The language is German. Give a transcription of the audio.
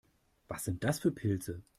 Was sind das für Pilze?